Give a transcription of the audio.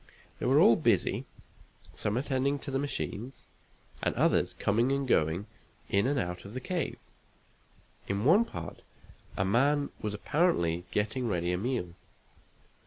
They were all busy, some attending to the machines, and others coming and going in and out of the cave. In one part a man was apparently getting ready a meal.